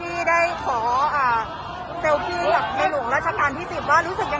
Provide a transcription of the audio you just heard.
เพื่อที่จะบอกว่าความสุขของประชาชนคือความสุขของพระองค์